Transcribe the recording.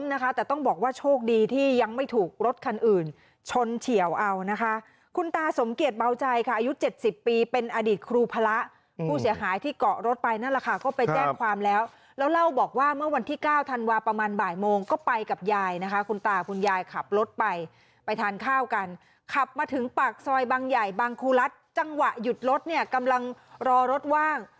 นะคะแต่ต้องบอกว่าโชคดีที่ยังไม่ถูกรถคันอื่นชนเฉียวเอานะคะคุณตาสมเกียจเบาใจค่ะอายุเจ็ดสิบปีเป็นอดีตครูพระผู้เสียหายที่เกาะรถไปนั่นแหละค่ะก็ไปแจ้งความแล้วแล้วเล่าบอกว่าเมื่อวันที่เก้าธันวาประมาณบ่ายโมงก็ไปกับยายนะคะคุณตาคุณยายขับรถไปไปทานข้าวกันขับมาถึงปากซอยบางใหญ่บางครูรัฐจังหวะหยุดรถเนี่ยกำลังรอรถว่าง